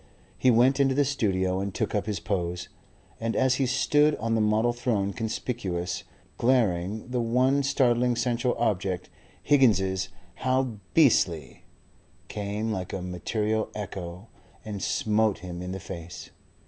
He went into the studio and took up his pose; and as he stood on the model throne, conspicuous, glaring, the one startling central object, Higgins's "How beastly!" came like a material echo and smote him in the face.